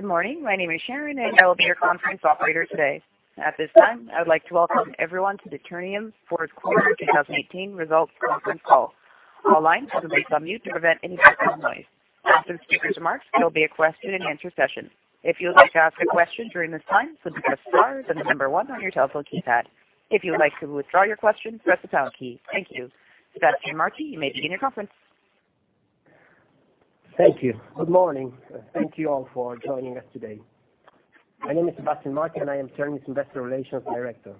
Good morning. My name is Sharon, and I will be your conference operator today. At this time, I would like to welcome everyone to the Ternium fourth quarter 2018 results conference call. All lines have been placed on mute to prevent any background noise. After the speakers' remarks, there will be a question-and-answer session. If you would like to ask a question during this time, simply press star, then the number one on your telephone keypad. If you would like to withdraw your question, press the pound key. Thank you. Sebastián Martí, you may begin your conference. Thank you. Good morning. Thank you all for joining us today. My name is Sebastián Martí, and I am Ternium's Investor Relations Director.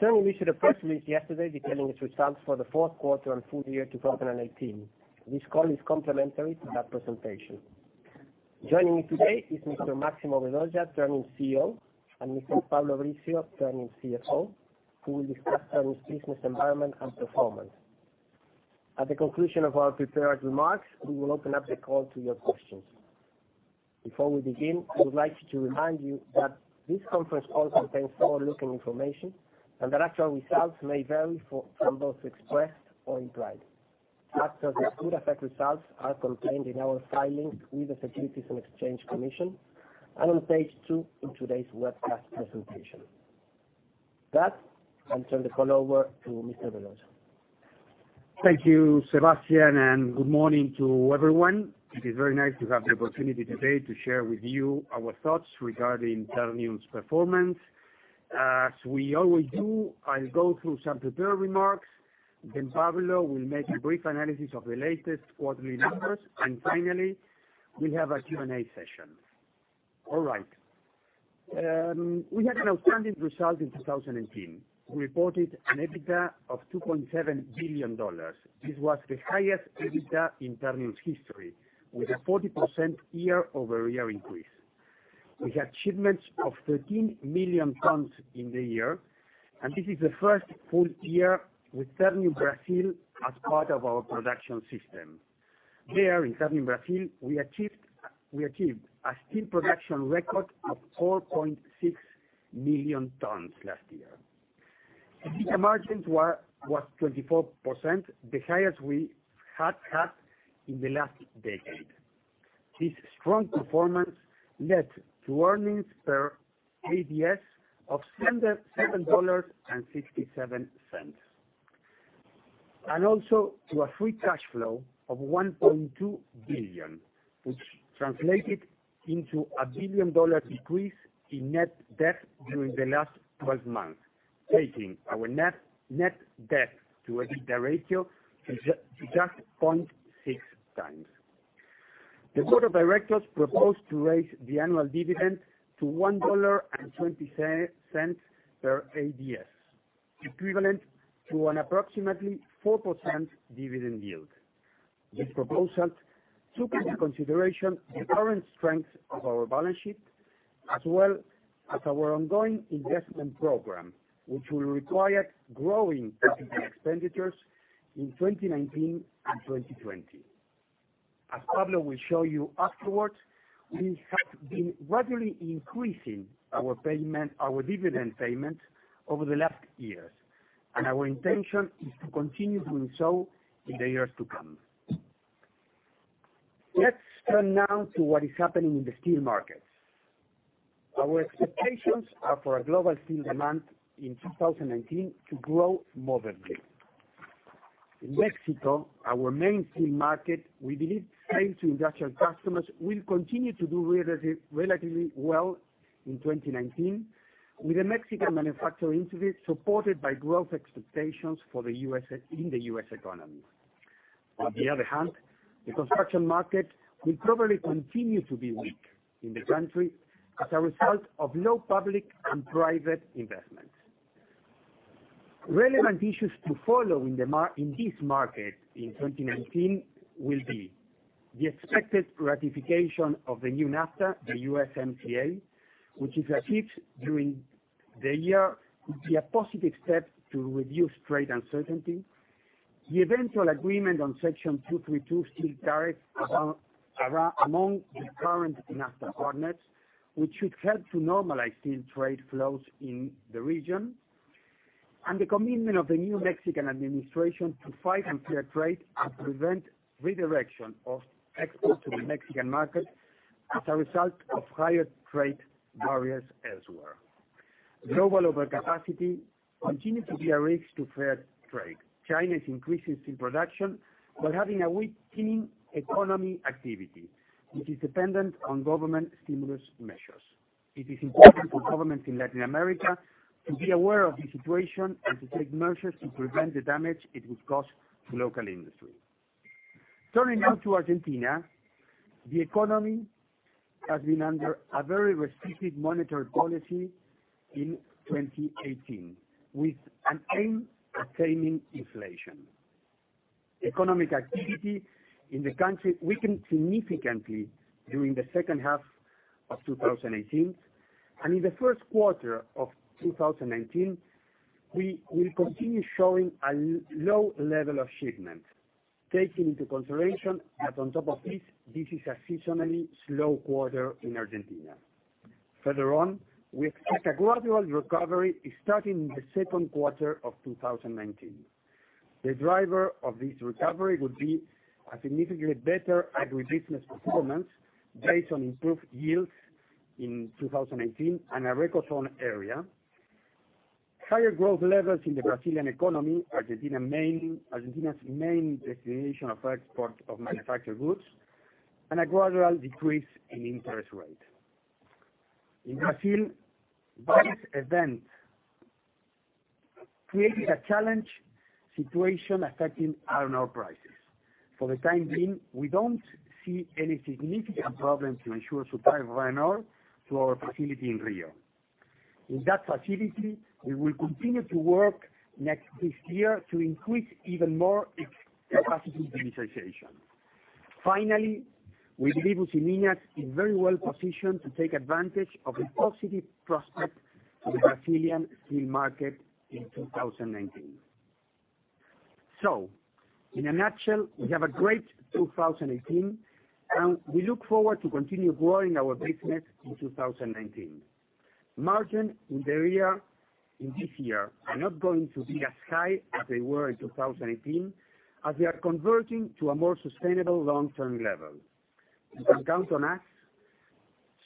Ternium issued a press release yesterday detailing its results for the fourth quarter and full year 2018. This call is complementary to that presentation. Joining me today is Mr. Máximo Vedoya, Ternium's CEO, and Mr. Pablo Brizzio, Ternium's CFO, who will discuss Ternium's business environment and performance. At the conclusion of our prepared remarks, we will open up the call to your questions. Before we begin, I would like to remind you that this conference call contains forward-looking information, and that actual results may vary from those expressed or implied. Factors that could affect results are contained in our filings with the Securities and Exchange Commission and on page two in today's webcast presentation. With that, I'll turn the call over to Mr. Vedoya. Thank you, Sebastián, and good morning to everyone. It is very nice to have the opportunity today to share with you our thoughts regarding Ternium's performance. As we always do, I'll go through some prepared remarks, Pablo will make a brief analysis of the latest quarterly numbers. Finally, we have our Q&A session. All right. We had an outstanding result in 2018. We reported an EBITDA of $2.7 billion. This was the highest EBITDA in Ternium's history, with a 40% year-over-year increase. We had shipments of 13 million tons in the year, and this is the first full year with Ternium Brazil as part of our production system. There, in Ternium Brazil, we achieved a steel production record of 4.6 million tons last year. The EBITDA margin was 24%, the highest we have had in the last decade. This strong performance led to earnings per ADS of $7.67, also to a free cash flow of $1.2 billion, which translated into a billion-dollar decrease in net debt during the last 12 months, taking our net debt to EBITDA ratio to just 0.6 times. The board of directors proposed to raise the annual dividend to $1.20 per ADS, equivalent to an approximately 4% dividend yield. This proposal took into consideration the current strength of our balance sheet, as well as our ongoing investment program, which will require growing capital expenditures in 2019 and 2020. As Pablo will show you afterwards, we have been gradually increasing our dividend payment over the last years, our intention is to continue doing so in the years to come. Let's turn now to what is happening in the steel markets. Our expectations are for a global steel demand in 2019 to grow moderately. In Mexico, our main steel market, we believe sales to industrial customers will continue to do relatively well in 2019, with the Mexican manufacturing industry supported by growth expectations in the U.S. economy. On the other hand, the construction market will probably continue to be weak in the country as a result of low public and private investment. Relevant issues to follow in this market in 2019 will be the expected ratification of the new NAFTA, the USMCA. Which is achieved during the year, it's a positive step to reduce trade uncertainty. The eventual agreement on Section 232 steel tariffs among the current NAFTA partners, which should help to normalize steel trade flows in the region. The commitment of the new Mexican administration to fight unfair trade and prevent redirection of exports to the Mexican market as a result of higher trade barriers elsewhere. Global overcapacity continues to be a risk to fair trade. China is increasing steel production while having a weakening economic activity, which is dependent on government stimulus measures. It is important for governments in Latin America to be aware of the situation and to take measures to prevent the damage it would cause to local industry. Turning now to Argentina, the economy has been under a very restrictive monetary policy in 2018, with an aim of taming inflation. Economic activity in the country weakened significantly during the second half of 2018. In the first quarter of 2019, we will continue showing a low level of shipment, taking into consideration that on top of this is a seasonally slow quarter in Argentina. Further on, we expect a gradual recovery starting in the second quarter of 2019. The driver of this recovery will be a significantly better agribusiness performance based on improved yields in 2018 and a record sown area. Higher growth levels in the Brazilian economy, Argentina's main destination of export of manufactured goods, and a gradual decrease in interest rate. In Brazil, this event created a challenge situation affecting iron ore prices. For the time being, we don't see any significant problem to ensure supply of iron ore to our facility in Rio. In that facility, we will continue to work this year to increase even more its capacity utilization. Finally, we believe Usiminas is very well positioned to take advantage of the positive prospect for the Brazilian steel market in 2019. In a nutshell, we have a great 2018, we look forward to continue growing our business in 2019. Margin in this year are not going to be as high as they were in 2018, as we are converting to a more sustainable long-term level. You can count on us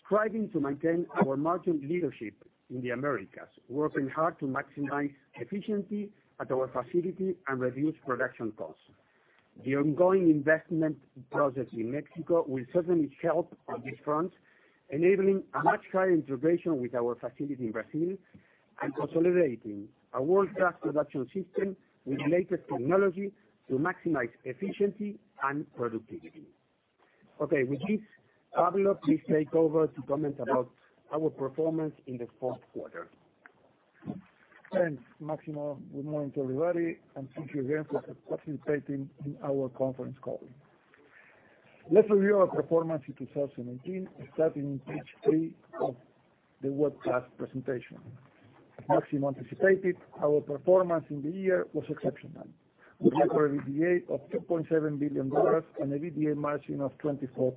striving to maintain our margin leadership in the Americas, working hard to maximize efficiency at our facility and reduce production costs. The ongoing investment process in Mexico will certainly help on this front, enabling a much higher integration with our facility in Brazil and consolidating a world-class production system with the latest technology to maximize efficiency and productivity. Okay, with this, Pablo, please take over to comment about our performance in the fourth quarter. Thanks, Máximo. Good morning to everybody, and thank you again for participating in our conference call. Let's review our performance in 2018, starting in page three of the webcast presentation. As Máximo anticipated, our performance in the year was exceptional, with record EBITDA of $2.7 billion and EBITDA margin of 24%.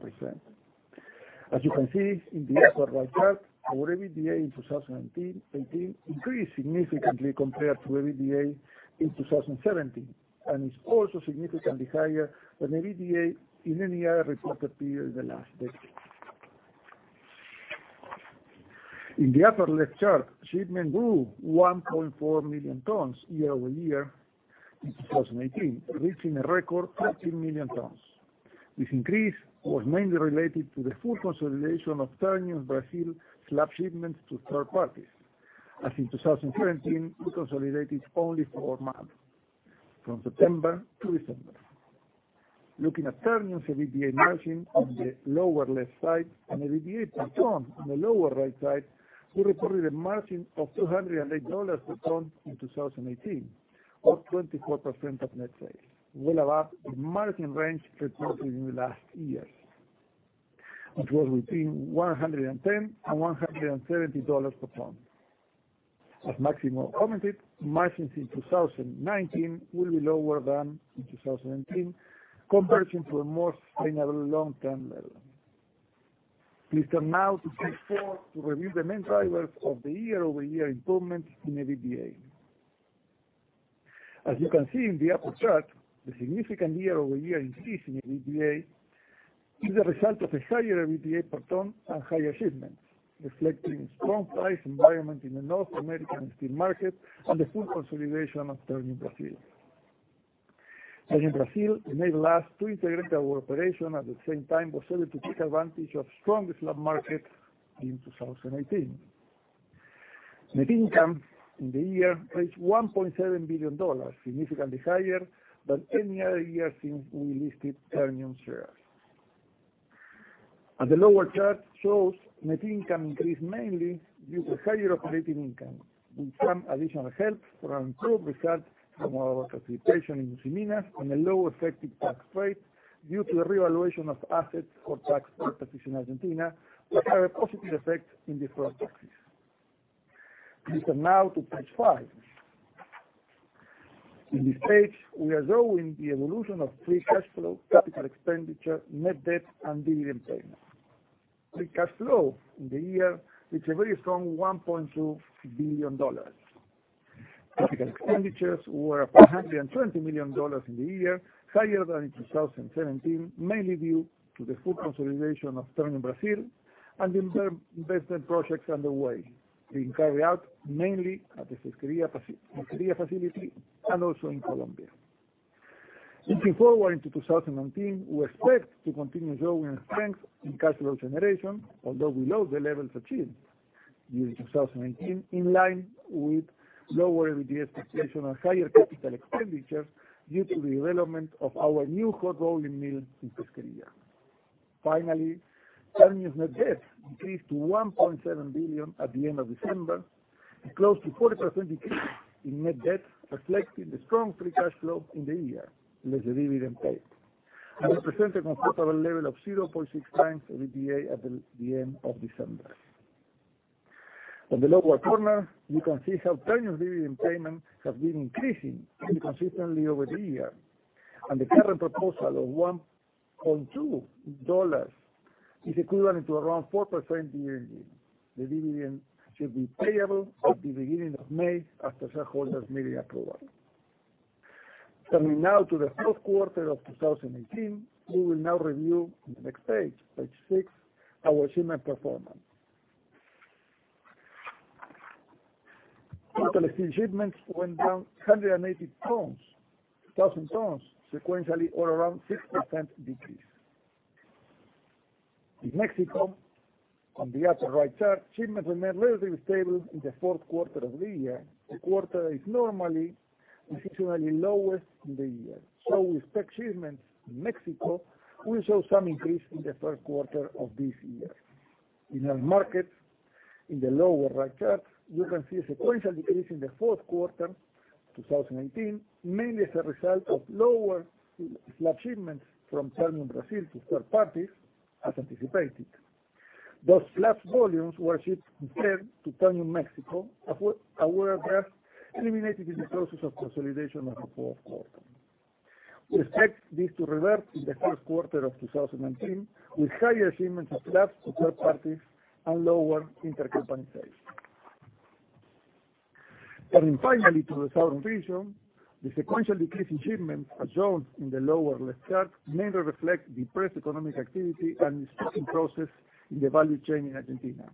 As you can see in the upper right chart, our EBITDA in 2018 increased significantly compared to EBITDA in 2017, and is also significantly higher than EBITDA in any other reported period in the last decade. In the upper left chart, shipment grew 1.4 million tons year-over-year in 2018, reaching a record 13 million tons. This increase was mainly related to the full consolidation of Ternium Brazil slab shipments to third parties, as in 2017, we consolidated only four months, from September to December. Looking at Ternium's EBITDA margin on the lower left side and EBITDA per ton on the lower right side, we recorded a margin of $208 per ton in 2018, or 24% of net sales, well above the margin range reported in the last years, which was between $110 and $170 per ton. As Máximo commented, margins in 2019 will be lower than in 2018, converting to a more sustainable long-term level. Please turn now to page four to review the main drivers of the year-over-year improvement in EBITDA. As you can see in the upper chart, the significant year-over-year increase in EBITDA is the result of a higher EBITDA per ton and higher shipments, reflecting strong price environment in the North American steel market and the full consolidation of Ternium Brazil. Ternium Brazil enabled us to integrate our operation, at the same time was able to take advantage of strong slab market in 2018. Net income in the year reached $1.7 billion, significantly higher than any other year since we listed Ternium shares. As the lower chart shows, net income increased mainly due to higher operating income, with some additional help from improved results from our participation in Usiminas and a low effective tax rate due to the revaluation of assets for tax purposes in Argentina, which had a positive effect in deferred taxes. Please turn now to page five. In this page, we are showing the evolution of free cash flow, capital expenditure, net debt, and dividend payment. Free cash flow in the year reached a very strong $1.2 billion. Capital expenditures were $420 million in the year, higher than in 2017, mainly due to the full consolidation of Ternium Brazil and the investment projects underway, being carried out mainly at the Siderurgia facility and also in Colombia. Looking forward into 2019, we expect to continue showing strength in cash flow generation, although below the levels achieved during 2018, in line with lower EBITDA expectation and higher capital expenditures due to the development of our new hot rolling mill in Siderurgia. Finally, Ternium's net debt decreased to $1.7 billion at the end of December, a close to 40% decrease in net debt, reflecting the strong free cash flow in the year, less the dividend paid, and represent a comfortable level of 0.6 times EBITDA at the end of December. On the lower corner, you can see how Ternium's dividend payment has been increasing consistently over the years, and the current proposal of $1.2 is equivalent to around 4% year-over-year. The dividend should be payable at the beginning of May after shareholders' meeting approval. To the fourth quarter of 2018, we will now review on the next page six, our shipment performance. Total steel shipments went down 180,000 tons sequentially or around 6% decrease. In Mexico, on the upper right chart, shipments remained relatively stable in the fourth quarter of the year. The quarter is normally seasonally lowest in the year. We expect shipments in Mexico will show some increase in the first quarter of this year. In other markets, in the lower right chart, you can see a sequential decrease in the fourth quarter 2018, mainly as a result of lower slab shipments from Ternium Brazil to third parties as anticipated. Those slab volumes were shipped instead to Ternium Mexico, however, that eliminated in the process of consolidation of the fourth quarter. We expect this to revert in the first quarter of 2019 with higher shipments of slabs to third parties and lower intercompany sales. To the southern region, the sequential decrease in shipments as shown in the lower left chart mainly reflect depressed economic activity and restructuring process in the value chain in Argentina.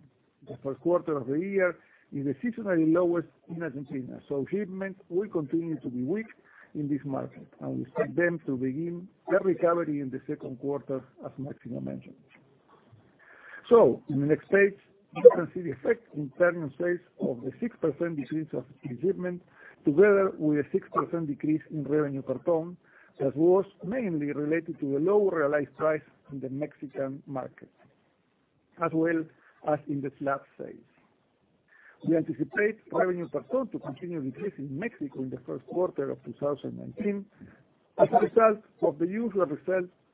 The first quarter of the year is seasonally lowest in Argentina, shipments will continue to be weak in this market, and we expect them to begin their recovery in the second quarter as Máximo mentioned. In the next page, you can see the effect in Ternium's sales of the 6% decrease of steel shipments together with a 6% decrease in revenue per ton that was mainly related to the lower realized price in the Mexican market, as well as in the slab sales. We anticipate revenue per ton to continue decreasing in Mexico in the first quarter of 2019 as a result of the usual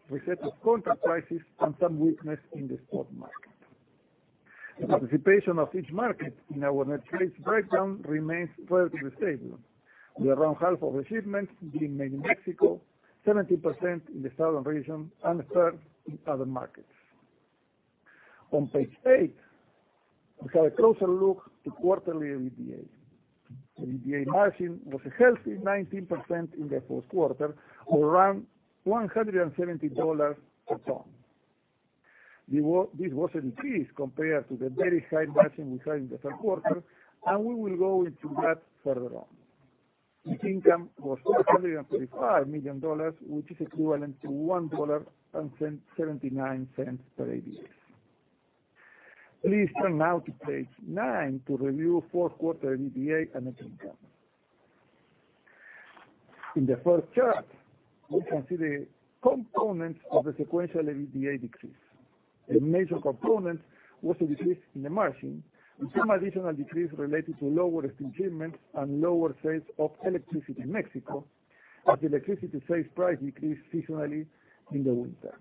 reset of contract prices and some weakness in the spot market. The participation of each market in our net sales breakdown remains relatively stable, with around half of the shipments being made in Mexico, 17% in the southern region, and a third in other markets. On page eight, we have a closer look to quarterly EBITDA. The EBITDA margin was a healthy 19% in the fourth quarter or around $170 a ton. This was a decrease compared to the very high margin we had in the third quarter. We will go into that further on. Net income was $635 million, which is equivalent to $1.79 per ADS. Please turn now to page nine to review fourth quarter EBITDA and net income. In the first chart, you can see the components of the sequential EBITDA decrease. A major component was a decrease in the margin and some additional decrease related to lower steel shipments and lower sales of electricity in Mexico, as the electricity sales price decreased seasonally in the winter.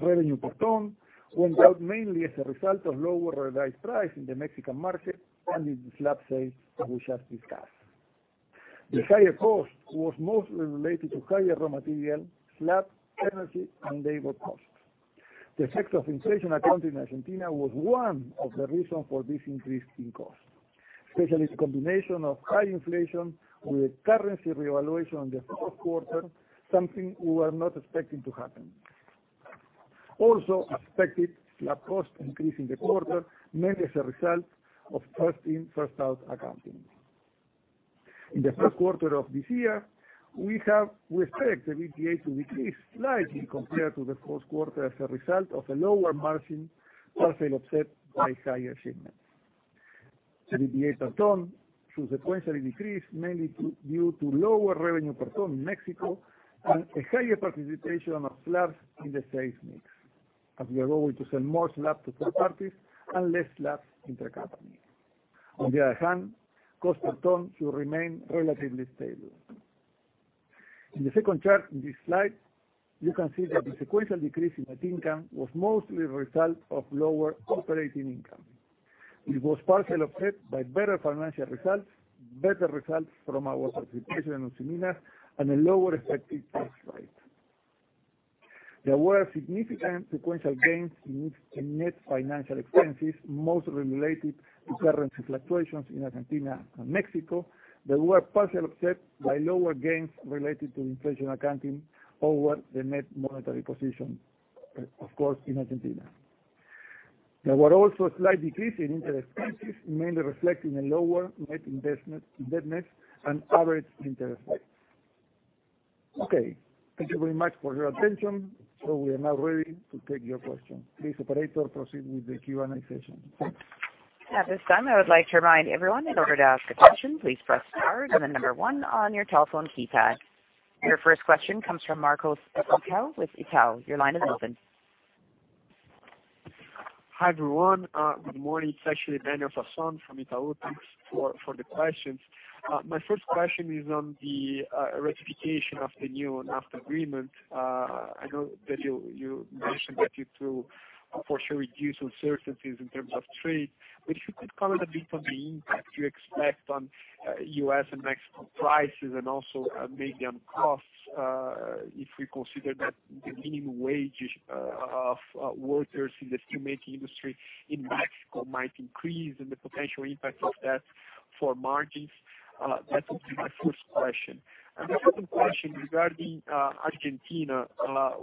Revenue per ton went down mainly as a result of lower realized price in the Mexican market and in the slab sales, as we just discussed. The higher cost was mostly related to higher raw material, slab, energy, and labor costs. The effect of inflation accounting in Argentina was one of the reasons for this increase in cost, especially the combination of high inflation with currency revaluation in the fourth quarter, something we were not expecting to happen. Also affected slab cost increase in the quarter, mainly as a result of first-in, first-out accounting. In the first quarter of this year, we expect the EBITDA to decrease slightly compared to the fourth quarter as a result of a lower margin, partial offset by higher shipments. The EBITDA per ton should sequentially decrease mainly due to lower revenue per ton in Mexico and a higher participation of slabs in the sales mix, as we are going to sell more slab to third parties and less slabs intercompany. On the other hand, cost per ton should remain relatively stable. In the second chart in this slide, you can see that the sequential decrease in net income was mostly a result of lower operating income. It was partially offset by better financial results, better results from our participation in Usiminas, and a lower effective tax rate. There were significant sequential gains in net financial expenses, mostly related to currency fluctuations in Argentina and Mexico, that were partially offset by lower gains related to inflation accounting over the net monetary position, of course, in Argentina. There was also a slight decrease in net expenses, mainly reflecting a lower net debt and average interest rates. Okay, thank you very much for your attention. We are now ready to take your questions. Please, operator, proceed with the Q&A session. Thanks. At this time, I would like to remind everyone, in order to ask a question, please press star and the number one on your telephone keypad. Your first question comes from Marcos Assumpção with Itaú. Your line is open. Hi, everyone. Good morning. It's actually Daniel Sasson from Itaú. Thanks for the questions. My first question is on the ratification of the new NAFTA agreement. I know that you mentioned that you too for sure reduce uncertainties in terms of trade. But if you could comment a bit on the impact you expect on U.S. and Mexico prices and also maybe on costs, if we consider that the minimum wage of workers in the steelmaking industry in Mexico might increase and the potential impact of that for margins. That would be my first question. And the second question regarding Argentina,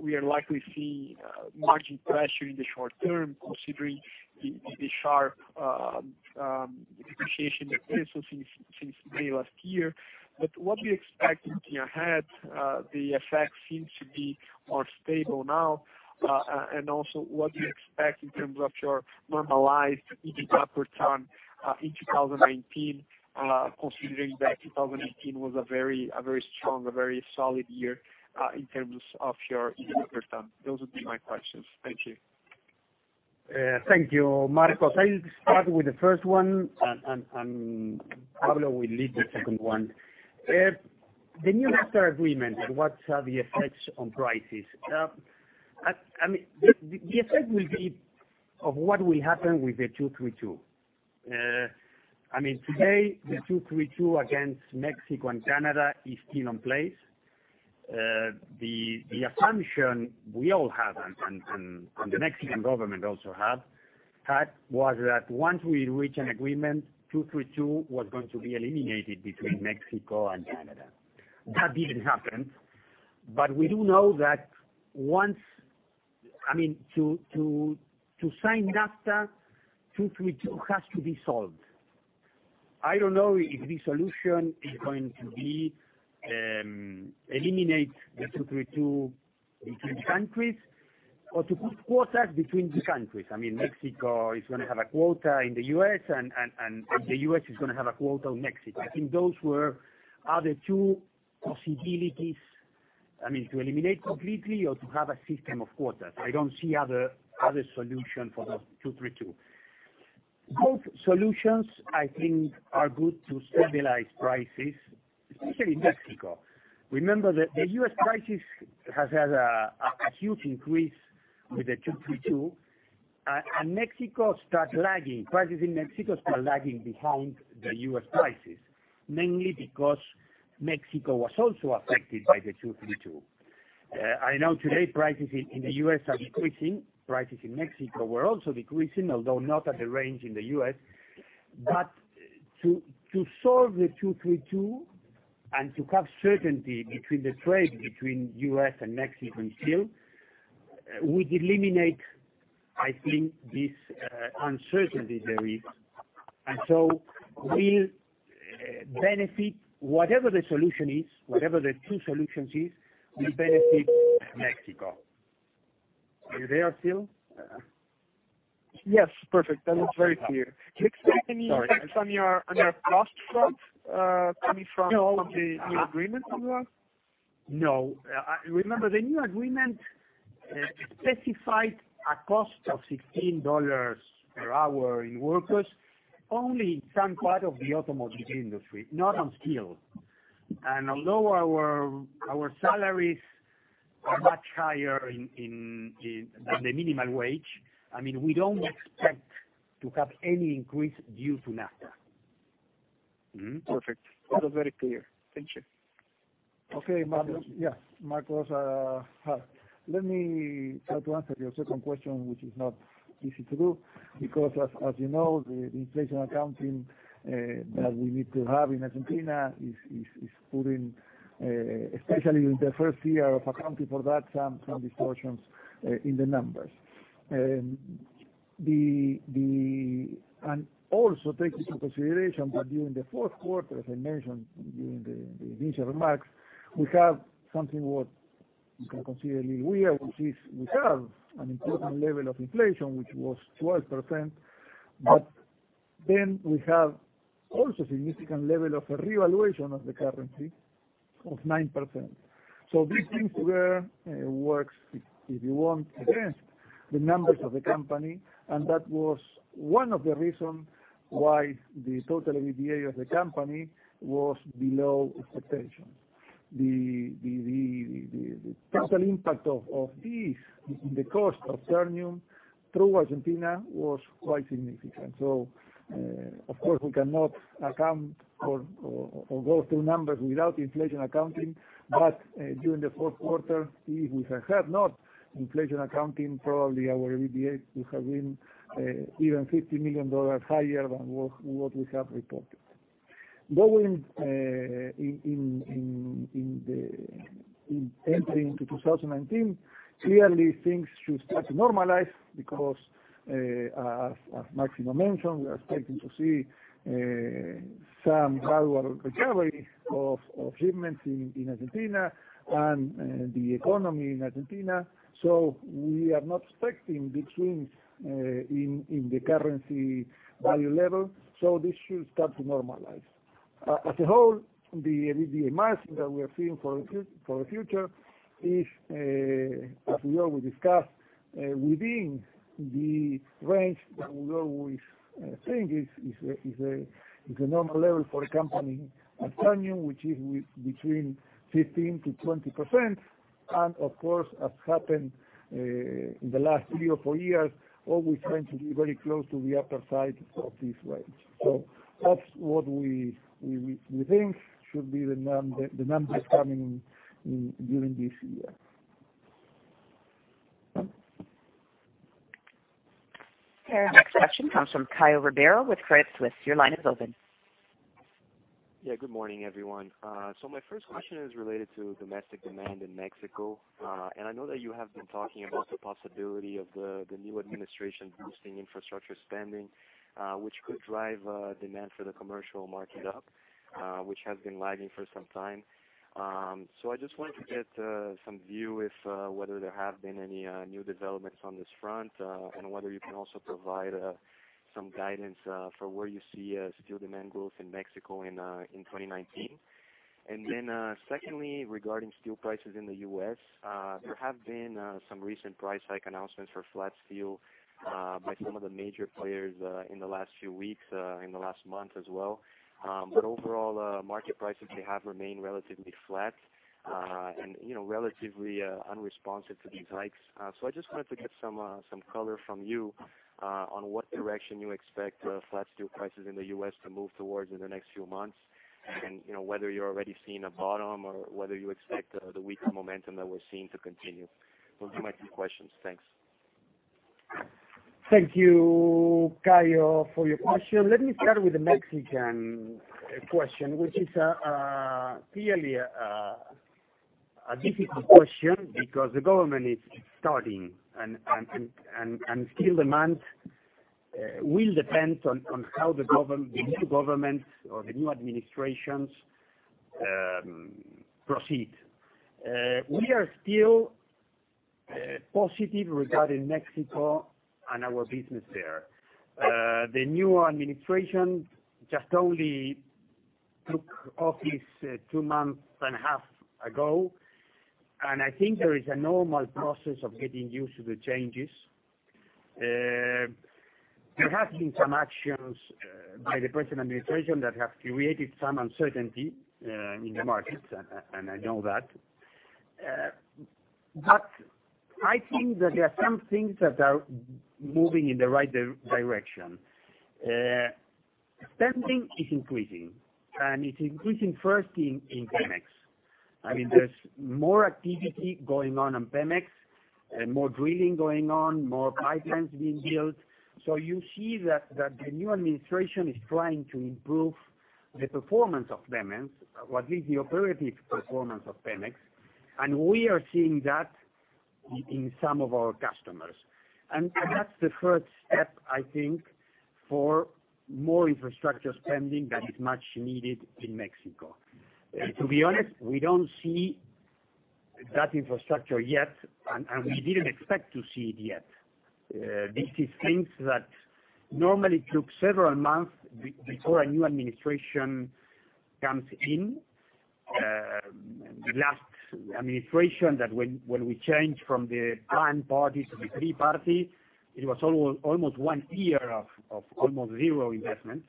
we are likely seeing margin pressure in the short term considering the sharp depreciation of peso since May last year. But what do you expect looking ahead? The effects seem to be more stable now. Also what do you expect in terms of your normalized EBITDA per ton in 2019, considering that 2018 was a very strong, a very solid year, in terms of your EBITDA per ton? Those would be my questions. Thank you. Thank you, Marcos. I'll start with the first one, and Pablo will lead the second one. The new NAFTA agreement and what are the effects on prices. I mean, the effect will be of what will happen with the Section 232. I mean, today, the Section 232 against Mexico and Canada is still in place. The assumption we all have, and the Mexican government also had, was that once we reach an agreement, Section 232 was going to be eliminated between Mexico and Canada. That didn't happen. We do know that to sign NAFTA, Section 232 has to be solved. I don't know if the solution is going to be eliminate the Section 232 between countries or to put quotas between the countries. I mean, Mexico is going to have a quota in the U.S., and the U.S. is going to have a quota on Mexico. I think those are the two possibilities, I mean, to eliminate completely or to have a system of quotas. I don't see other solution for the Section 232. Both solutions, I think, are good to stabilize prices, especially in Mexico. Remember that the U.S. prices has had a huge increase with the Section 232, and prices in Mexico start lagging behind the U.S. prices, mainly because Mexico was also affected by the Section 232. I know today prices in the U.S. are decreasing. Prices in Mexico were also decreasing, although not at the range in the U.S. To solve the Section 232 and to have certainty between the trade between U.S. and Mexico still, would eliminate, I think, this uncertainty there is. Will benefit whatever the solution is, whatever the true solutions is, will benefit Mexico. Are you there still? Yes. Perfect. That was very clear. Do you expect any effects on your cost front, coming from all of the new agreements as well? No. Remember the new agreement specified a cost of $16 per hour in workers, only in some part of the automotive industry, not on steel. Although our salaries are much higher than the minimum wage, I mean, we don't expect to have any increase due to NAFTA. Perfect. That was very clear. Thank you. Okay, Marcos. Marcos, let me try to answer your second question, which is not easy to do, because, as you know, the inflation accounting, that we need to have in Argentina is putting, especially in the first year of accounting for that, some distortions in the numbers. Also take into consideration that during the fourth quarter, as I mentioned during the initial remarks, we have something what you can consider little weird, which is we have an important level of inflation, which was 12%, but then we have also significant level of a revaluation of the currency of 9%. These things together works, if you want, against the numbers of the company, and that was one of the reason why the total EBITDA of the company was below expectations. The total impact of this in the cost of Ternium through Argentina was quite significant. Of course we cannot account or go through numbers without inflation accounting. During the fourth quarter, if we had not inflation accounting, probably our EBITDA would have been even $50 million higher than what we have reported. Going in entering into 2019, clearly things should start to normalize because, as Máximo mentioned, we are expecting to see some gradual recovery of shipments in Argentina and the economy in Argentina. We are not expecting big swings in the currency value level. This should start to normalize. As a whole, the margin that we are seeing for the future is, as we always discuss, within the range that we always think is a normal level for a company in Ternium, which is between 15%-20%. Of course, as happened in the last three or four years, always trying to be very close to the upper side of this range. That's what we think should be the numbers coming in during this year. Our next question comes from Caio Ribeiro with Credit Suisse. Your line is open. Yeah. Good morning, everyone. My first question is related to domestic demand in Mexico. I know that you have been talking about the possibility of the new administration boosting infrastructure spending, which could drive demand for the commercial market up, which has been lagging for some time. I just wanted to get some view if whether there have been any new developments on this front, and whether you can also provide some guidance for where you see steel demand growth in Mexico in 2019. Secondly, regarding steel prices in the U.S., there have been some recent price hike announcements for flat steel, by some of the major players in the last few weeks, in the last month as well. Overall, market prices have remained relatively flat, and relatively unresponsive to these hikes. I just wanted to get some color from you, on what direction you expect flat steel prices in the U.S. to move towards in the next few months. Whether you're already seeing a bottom or whether you expect the weaker momentum that we're seeing to continue. Those are my two questions. Thanks. Thank you, Caio, for your question. Let me start with the Mexican question, which is clearly a difficult question, because the government is starting. Steel demand will depend on how the new government or the new administrations proceed. We are still positive regarding Mexico and our business there. The new administration just only took office two months and a half ago, I think there is a normal process of getting used to the changes. There have been some actions by the present administration that have created some uncertainty in the markets, I know that. I think that there are some things that are moving in the right direction. Spending is increasing, it's increasing first in Pemex. There's more activity going on in Pemex, more drilling going on, more pipelines being built. You see that the new administration is trying to improve the performance of Pemex. At least the operative performance of Pemex, we are seeing that in some of our customers. That's the first step, I think, for more infrastructure spending that is much needed in Mexico. To be honest, we don't see that infrastructure yet, we didn't expect to see it yet. These are things that normally took several months before a new administration comes in. The last administration that when we changed from the current party to the three party, it was almost one year of almost zero investment.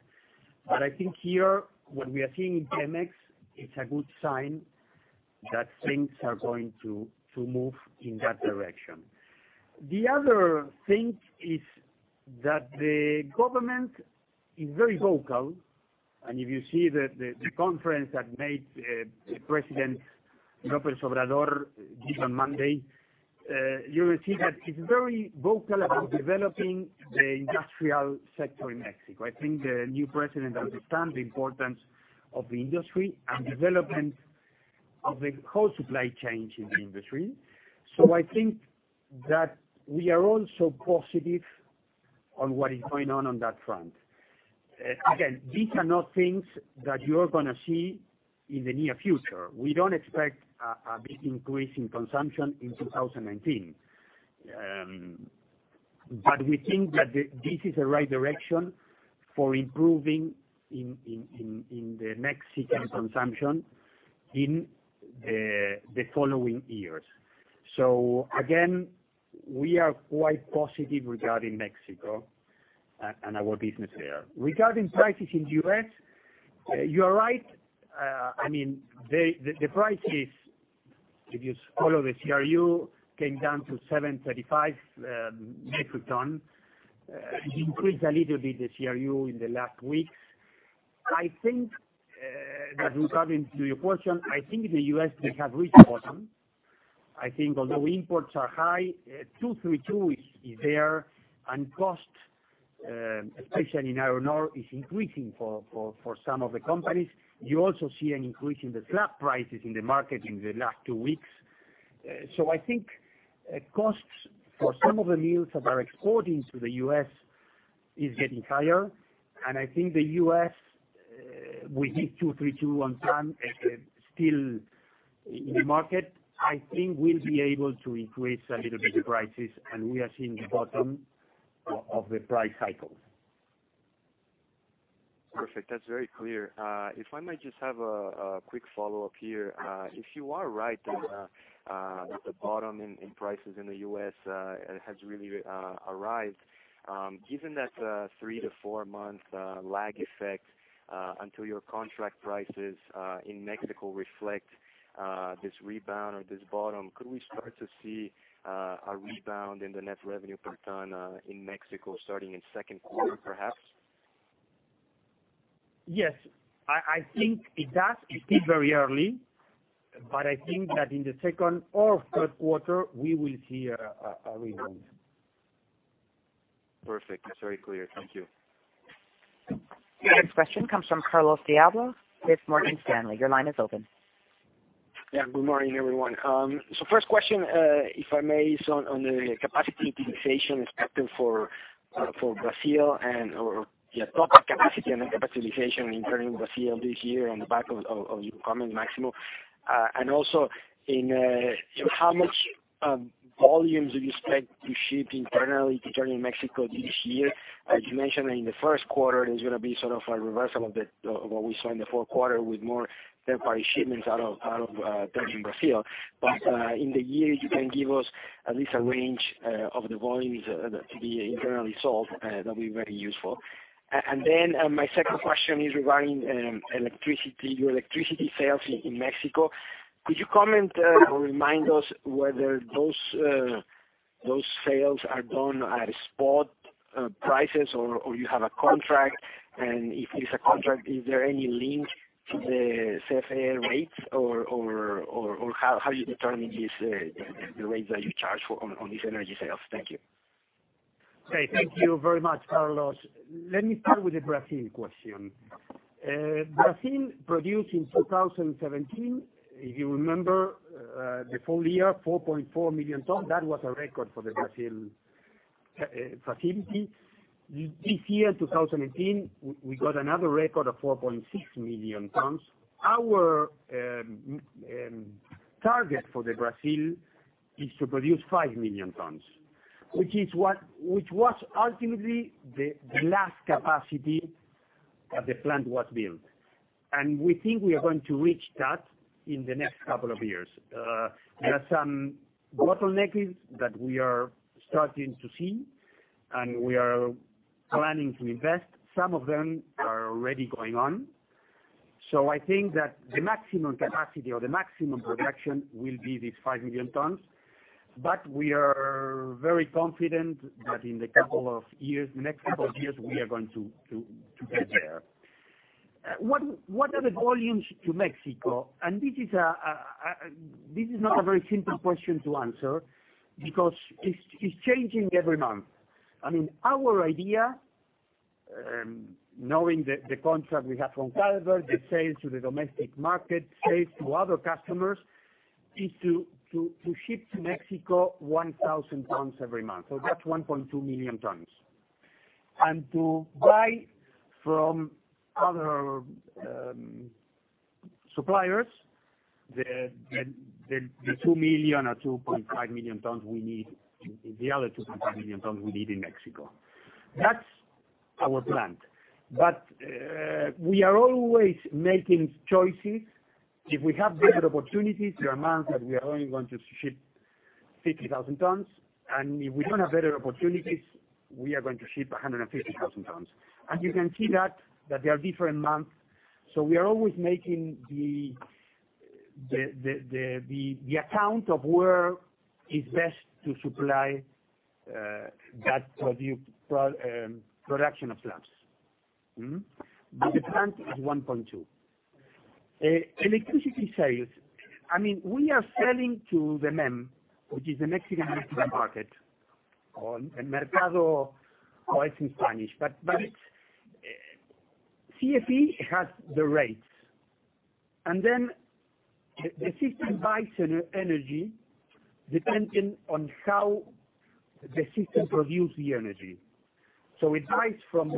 I think here, what we are seeing in Pemex is a good sign that things are going to move in that direction. The other thing is that the government is very vocal, if you see the conference that President López Obrador gave on Monday, you will see that he's very vocal about developing the industrial sector in Mexico. I think the new president understands the importance of the industry and development of the whole supply chain in the industry. I think that we are also positive on what is going on on that front. Again, these are not things that you're going to see in the near future. We don't expect a big increase in consumption in 2019. We think that this is the right direction for improving in the Mexican consumption in the following years. Again, we are quite positive regarding Mexico and our business there. Regarding prices in the U.S., you are right. The prices, if you follow the CRU, came down to $735 metric ton, increased a little bit, the CRU in the last two weeks. Regarding to your question, I think the U.S. may have reached bottom. I think although imports are high, 232 is there, cost, especially in iron ore, is increasing for some of the companies. You also see an increase in the flat prices in the market in the last two weeks. I think costs for some of the mills that are exporting to the U.S. is getting higher, I think the U.S., with the 232 on plant still in the market, I think we'll be able to increase a little bit the prices, we are seeing the bottom of the price cycles. Perfect. That's very clear. If I might just have a quick follow-up here. If you are right that the bottom in prices in the U.S. has really arrived, given that three to four month lag effect until your contract prices in Mexico reflect this rebound or this bottom, could we start to see a rebound in the net revenue per ton in Mexico starting in second quarter, perhaps? Yes. I think it does. It's still very early, but I think that in the second or third quarter, we will see a rebound. Perfect. That's very clear. Thank you. The next question comes from Carlos De Alba with Morgan Stanley. Your line is open. Yeah. Good morning, everyone. First question, if I may, is on the capacity utilization expected for Brazil, and the appropriate capacity and the capacity utilization in Ternium Brazil this year on the back of your comment, Máximo. How much volumes do you expect to ship internally to Ternium Mexico this year? As you mentioned in the first quarter, there's going to be sort of a reversal of what we saw in the fourth quarter with more third-party shipments out of Ternium Brazil. In the year, you can give us at least a range of the volumes to be internally sold, that would be very useful. My second question is regarding your electricity sales in Mexico. Could you comment or remind us whether those sales are done at spot prices or you have a contract? If it's a contract, is there any link to the CFE rates or how are you determining the rates that you charge on these energy sales? Thank you. Okay, thank you very much, Carlos. Let me start with the Brazil question. Brazil produced in 2017, if you remember, the full year, 4.4 million tons. That was a record for the Brazil facility. This year, 2018, we got another record of 4.6 million tons. Our target for Brazil is to produce 5 million tons, which was ultimately the last capacity that the plant was built. We think we are going to reach that in the next couple of years. There are some bottlenecks that we are starting to see, and we are planning to invest. Some of them are already going on. I think that the maximum capacity or the maximum production will be these 5 million tons. We are very confident that in the next couple of years, we are going to get there. What are the volumes to Mexico? This is not a very simple question to answer because it's changing every month. Our idea, knowing the contract we have from Calvert, the sales to the domestic market, sales to other customers, is to ship to Mexico 1,000 tons every month. That's 1.2 million tons. To buy from other suppliers, the 2 million or 2.5 million tons we need in Mexico. That's our plan. We are always making choices. If we have better opportunities, there are months that we are only going to ship 50,000 tons, and if we don't have better opportunities, we are going to ship 150,000 tons. You can see that there are different months. We are always making the account of where is best to supply that production of slabs. The plan is 1.2. Electricity sales. We are selling to the MEM, which is the Mexican Electric Market, or Mercado, how it's in Spanish. CFE has the rates. The system buys energy depending on how the system produces the energy. It buys from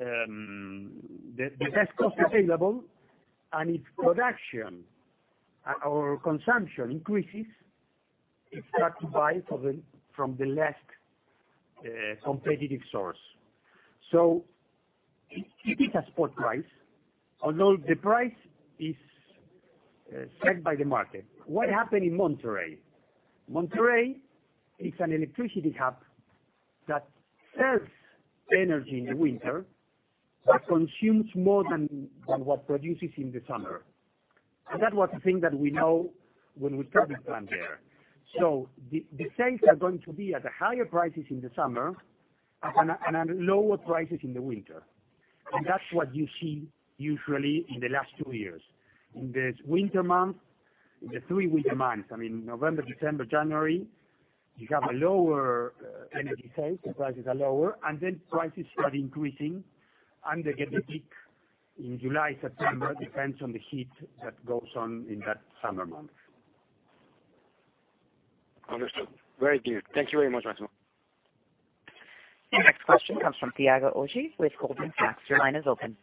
the best cost available, and if production or consumption increases, it starts to buy from the less competitive source. It is a spot price, although the price is set by the market. What happened in Monterrey? Monterrey is an electricity hub that sells energy in the winter but consumes more than what produces in the summer. That was the thing that we know when we put the plant there. The sales are going to be at higher prices in the summer and at lower prices in the winter. That's what you see usually in the last two years. In the winter months, in the three winter months, November, December, January, you have a lower energy sale. Prices are lower, prices start increasing, they get the peak in July, September, depends on the heat that goes on in that summer month. Understood. Very clear. Thank you very much, Máximo. The next question comes from Thiago Ojea with Goldman Sachs. Your line is open.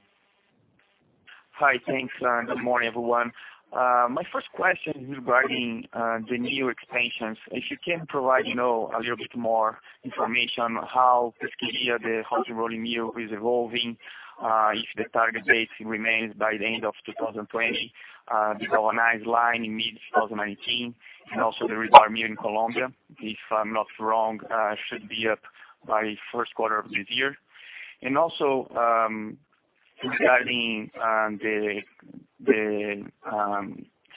Hi. Thanks. Good morning, everyone. My first question is regarding the new expansions. If you can provide a little bit more information how Pesquería, the hot rolling mill, is evolving, if the target date remains by the end of 2020, the galvanized line in mid-2019, and also the rebar mill in Colombia. If I'm not wrong, it should be up by first quarter of this year. Also, regarding the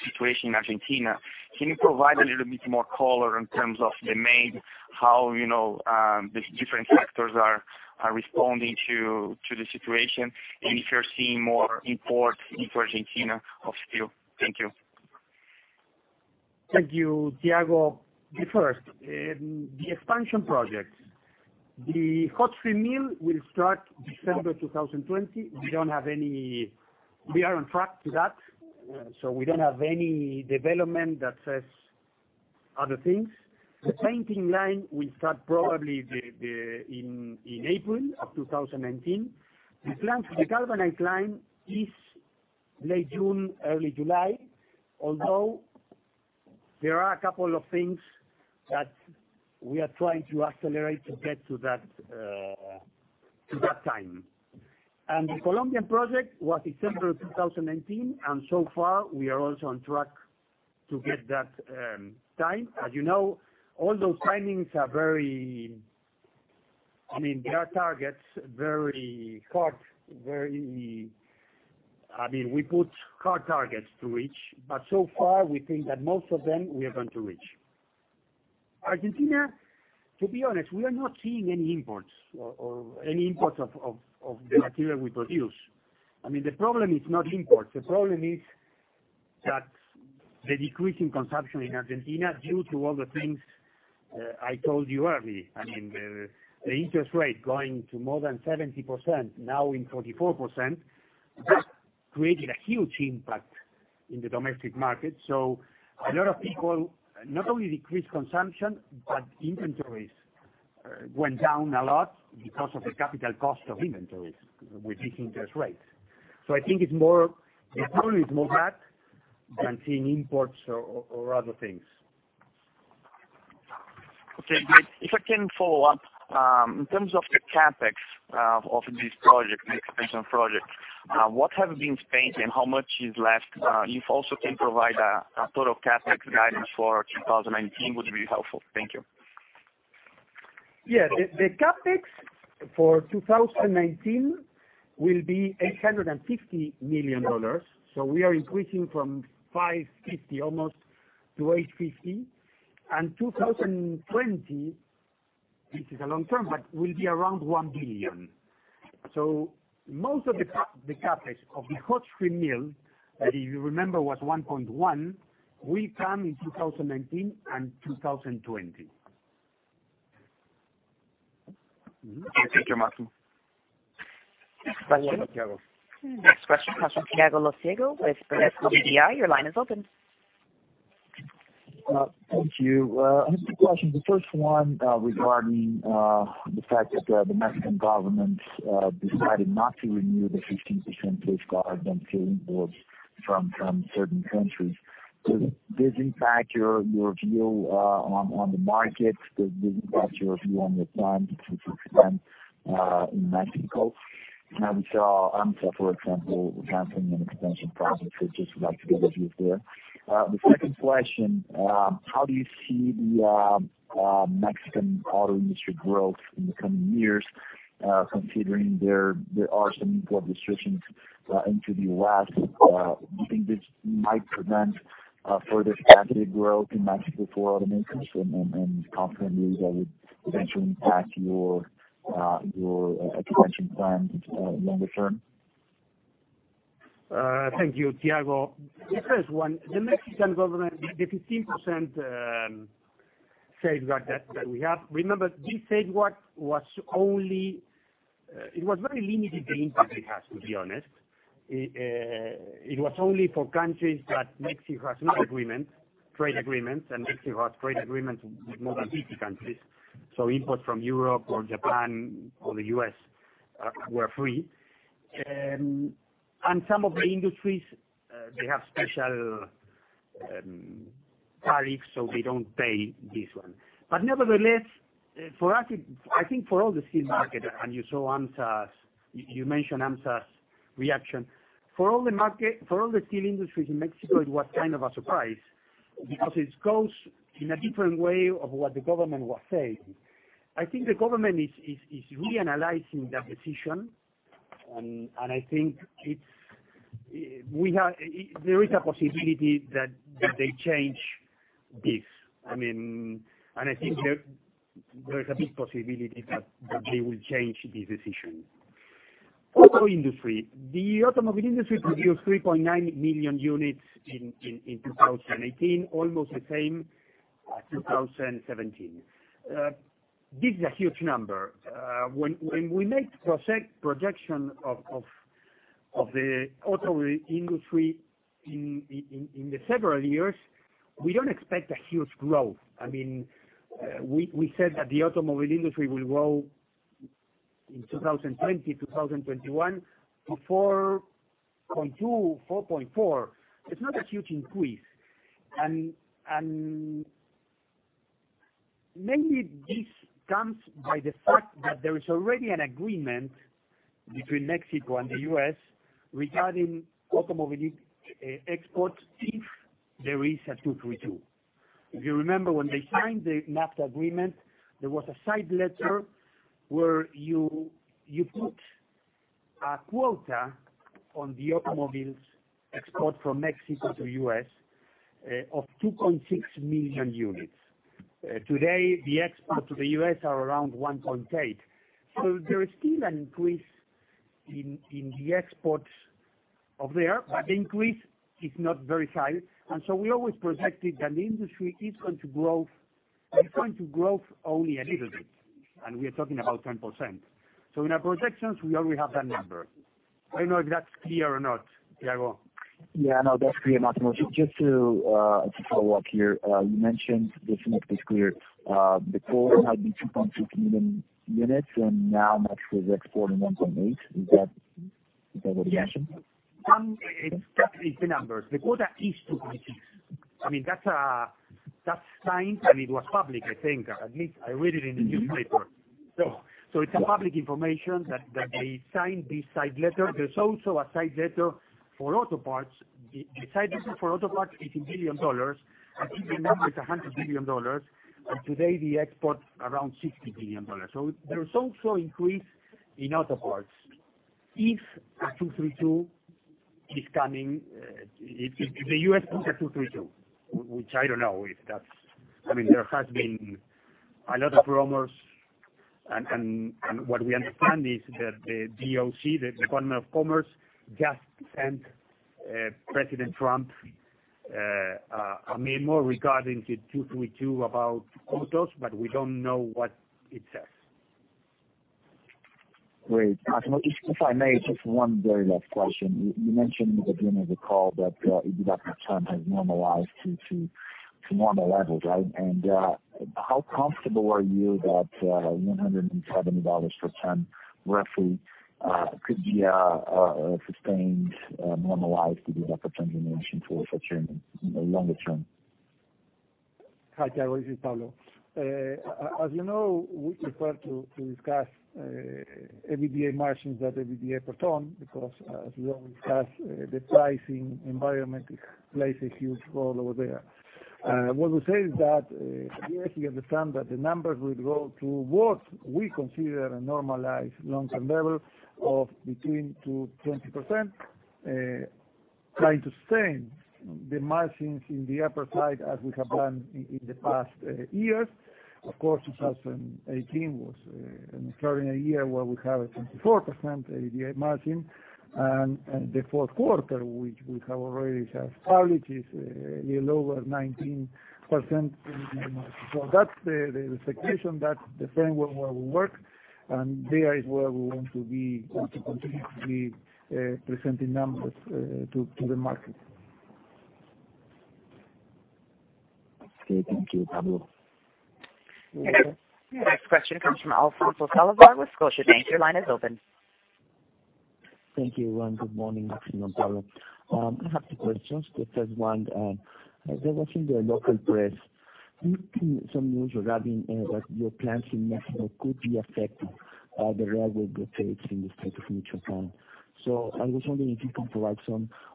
situation in Argentina, can you provide a little bit more color in terms of the main, how the different sectors are responding to the situation and if you're seeing more imports into Argentina of steel? Thank you. Thank you, Thiago. The first, the expansion projects. The hot strip mill will start December 2020. We are on track to that. We don't have any development that says other things. The painting line will start probably in April of 2019. We plan for the galvanized line is late June, early July. Although there are a couple of things that we are trying to accelerate to get to that time. The Colombian project was December of 2019, so far we are also on track to get that time. As you know, all those timings are very I mean, they are targets, very hard. We put hard targets to reach, but so far we think that most of them we are going to reach. Argentina, to be honest, we are not seeing any imports of the material we produce. I mean, the problem is not imports. The problem is that the decrease in consumption in Argentina, due to all the things I told you earlier. I mean, the interest rate going to more than 70%, now in 44%, that created a huge impact in the domestic market. A lot of people not only decreased consumption, inventories went down a lot because of the capital cost of inventories with this interest rate. I think it's probably more that than seeing imports or other things. Okay. If I can follow up, in terms of the CapEx of this project, the expansion project, what have you been spending? How much is left? If also can provide a total CapEx guidance for 2019 would be helpful. Thank you. Yeah. The CapEx for 2019 will be $850 million. We are increasing from $550 almost to $850. 2020, this is a long term, but will be around $1 billion. Most of the CapEx of the hot strip mill, if you remember, was $1.1 billion, will come in 2019 and 2020. Okay. Thank you, Máximo. Next question. Thank you, Thiago. Next question comes from Thiago Lofiego with Bradesco BBI. Your line is open. Thank you. I have two questions. The first one regarding the fact that the Mexican government decided not to renew the 15% safeguard on steel imports from certain countries. Does this impact your view on the market? Does this impact your view on your plans to expand in Mexico? We saw AHMSA, for example, canceling an expansion process. I just would like to get your view there. The second question, how do you see the Mexican auto industry growth in the coming years, considering there are some import restrictions into the U.S.? Do you think this might prevent further capacity growth in Mexico for automakers, and confidently that would eventually impact your expansion plans longer term? Thank you, Thiago. The first one, the Mexican government, the 15% safeguard that we have. Remember, this safeguard was very limited the impact it has, to be honest. It was only for countries that Mexico has no agreement, trade agreements, and Mexico has trade agreements with more than 50 countries. Imports from Europe or Japan or the U.S. were free. Some of the industries, they have special tariffs, so they don't pay this one. Nevertheless, I think for all the steel market, you saw AHMSA's, you mentioned AHMSA's reaction. For all the steel industries in Mexico, it was kind of a surprise because it goes in a different way of what the government was saying. I think the government is really analyzing that decision, and I think there is a possibility that they change this. I think there is a big possibility that they will change this decision. Auto industry. The automobile industry produced 3.9 million units in 2018, almost the same as 2017. This is a huge number. When we make projection of the auto industry in the several years, we don't expect a huge growth. I mean, we said that the automobile industry will grow in 2020, 2021, to 4.2 million, 4.4 million. It's not a huge increase. Maybe this comes by the fact that there is already an agreement between Mexico and the U.S. regarding automobile exports if there is a Section 232. If you remember, when they signed the NAFTA agreement, there was a side letter where you put a quota on the automobiles export from Mexico to U.S. of 2.6 million units. Today, the exports to the U.S. are around 1.8 million. There is still an increase in the exports of there, but the increase is not very high. We always projected that the industry is going to grow, but it's going to grow only a little bit, and we are talking about 10%. In our projections, we already have that number. I don't know if that's clear or not, Thiago. That's clear, Máximo. Just to follow up here, you mentioned this NAFTA is clear. Before might be 2.6 million units, and now Mexico is exporting 1.8 million units. Is that what you mentioned? Yes, exactly the numbers. The quota is 2.6 million units. That's signed, and it was public, I think, at least I read it in the newspaper. It's a public information that they signed this side letter. There is also a side letter for auto parts. The side letter for auto parts is in billion dollars, and if you remember, it's $100 billion. Today, the export around $60 billion. There is also increase in auto parts. If a 232 is coming, if the U.S. puts a 232, which I don't know if that's. There has been a lot of rumors, and what we understand is that the DOC, the U.S. Department of Commerce, just sent President Trump a memo regarding the 232 about quotas, but we don't know what it says. Great. Máximo, if I may, just one very last question. You mentioned in the beginning of the call that EBITDA per ton has normalized to normal levels, right? How comfortable are you that $170 per ton roughly could be a sustained normalized EBITDA per ton generation for longer term? Hi, Thiago. This is Pablo. As you know, we prefer to discuss EBITDA margins than EBITDA per ton because, as we all discuss, the pricing environment plays a huge role over there. What we say is that, yes, we understand that the numbers will go towards what we consider a normalized long-term level of between to 20%, trying to sustain the margins in the upper side as we have done in the past years. Of course, 2018 was an extraordinary year where we have a 24% EBITDA margin, and the fourth quarter, which we have already established, is a little over 19% in the margin. That's the expectation. That's the framework where we work, and there is where we want to be or to continue to be presenting numbers to the market. Okay. Thank you, Pablo. The next question comes from Alfonso Salazar with Scotiabank. Your line is open. Thank you, everyone. Good morning, Máximo and Pablo. I have two questions. The first one, I was watching the local press. Some news regarding that your plants in Mexico could be affected, the railway blockades in the state of Michoacán. I was wondering if you can provide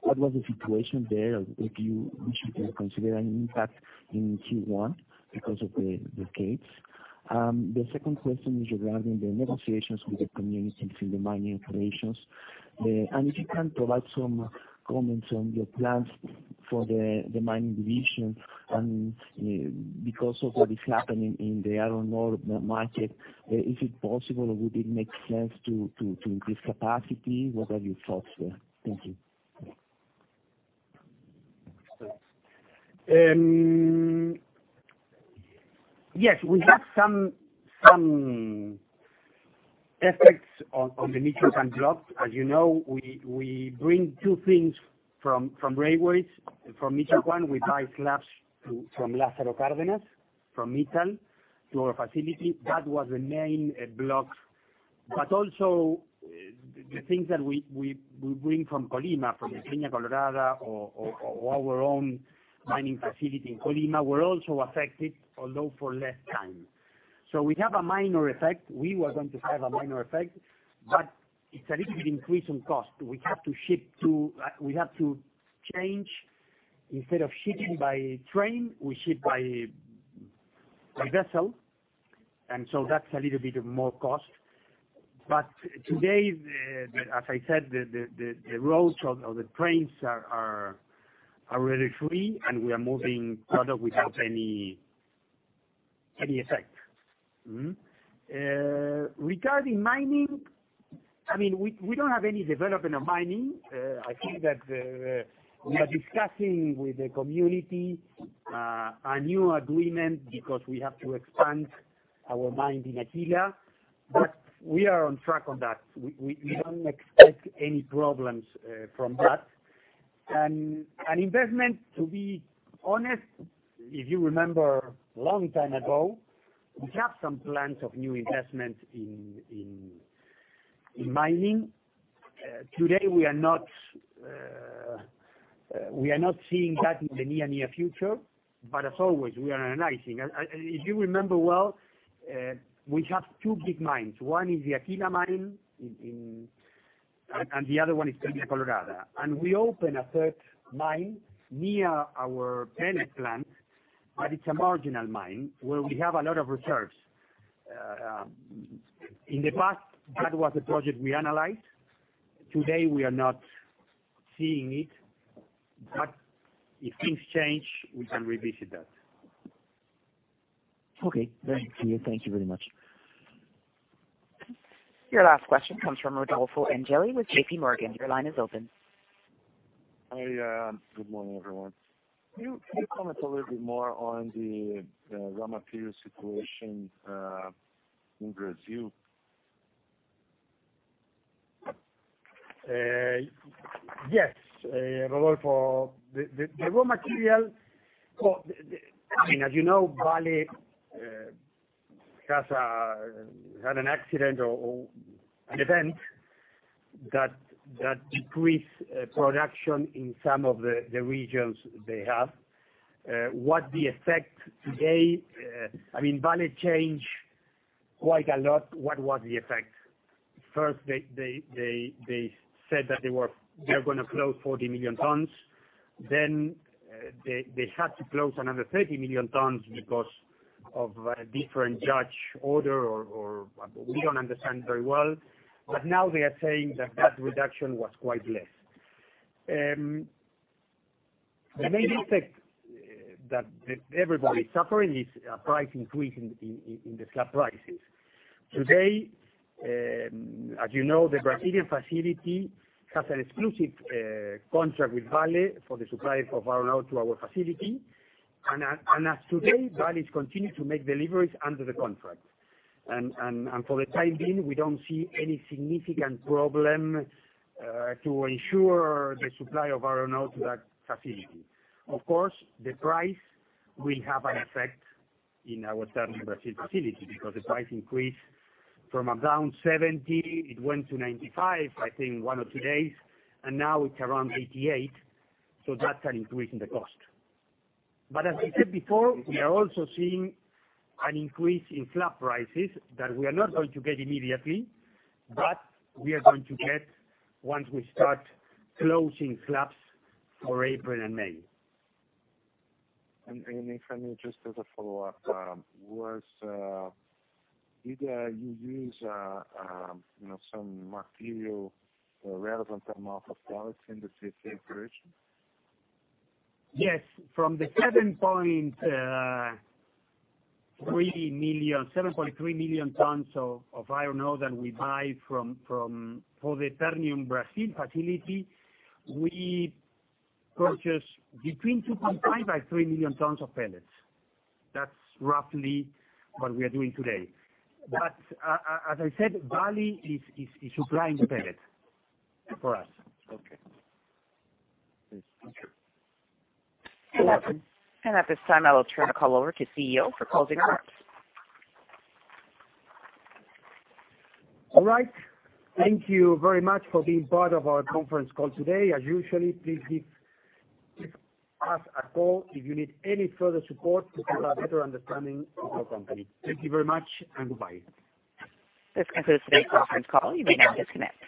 what was the situation there, if you wish you can consider an impact in Q1 because of the blockades. The second question is regarding the negotiations with the communities in the mining operations. If you can provide some comments on your plans for the mining division and because of what is happening in the iron ore market, is it possible or would it make sense to increase capacity? What are your thoughts there? Thank you. Yes, we have some effects on the Michoacán block. As you know, we bring two things from railways. From Michoacán, we buy slabs from Lázaro Cárdenas, from metal to our facility. That was the main block. Also the things that we bring from Colima, from Peña Colorada or our own mining facility in Colima were also affected, although for less time. We have a minor effect. We were going to have a minor effect, but it's a little bit increase on cost. We have to change. Instead of shipping by train, we ship by vessel, that's a little bit of more cost. Today, as I said, the roads or the trains are really free, and we are moving product without any effect. Regarding mining, we don't have any development of mining. I think that we are discussing with the community a new agreement because we have to expand our mine in Aquila. We are on track on that. We don't expect any problems from that. An investment, to be honest, if you remember a long time ago, we had some plans of new investment in mining. Today, we are not seeing that in the near future, as always, we are analyzing. If you remember well, we have two big mines. One is the Aquila mine, and the other one is Peña Colorada. We opened a third mine near our pellet plant, it's a marginal mine where we have a lot of reserves. In the past, that was a project we analyzed. Today, we are not seeing it. If things change, we can revisit that. Okay. Thank you. Thank you very much. Your last question comes from Rodolfo Angele with JPMorgan. Your line is open. Hi. Good morning, everyone. Can you comment a little bit more on the raw material situation in Brazil? Yes, Rodolfo, the raw material. I mean, as you know, Vale had an accident or an event that decreased production in some of the regions they have. What the effect today, I mean, Vale changed quite a lot. What was the effect? First, they said that they were going to close 40 million tons. They had to close another 30 million tons because of a different judge order, or we don't understand very well. Now they are saying that that reduction was quite less. The main effect that everybody is suffering is a price increase in the slab prices. Today, as you know, the Brazilian facility has an exclusive contract with Vale for the supply of iron ore to our facility. As today, Vale has continued to make deliveries under the contract. For the time being, we don't see any significant problem to ensure the supply of iron ore to that facility. Of course, the price will have an effect in our Ternium Brazil facility because the price increased from around $70, it went to $95, I think one or two days, and now it's around $88. That's an increase in the cost. As I said before, we are also seeing an increase in slab prices that we are not going to get immediately, but we are going to get once we start closing slabs for April and May. If I may just as a follow-up, did you use some material relevant amount of products in the CC operation? Yes. From the 7.3 million tons of iron ore that we buy for the Ternium Brazil facility, we purchase between 2.5 by 3 million tons of pellets. That's roughly what we are doing today. As I said, Vale is supplying the pellet for us. Okay. Thank you. At this time, I will turn the call over to CEO for closing remarks. All right. Thank you very much for being part of our conference call today. As usual, please give us a call if you need any further support to give a better understanding of our company. Thank you very much, and goodbye. This concludes today's conference call. You may now disconnect.